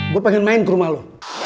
gue pengen main ke rumah lo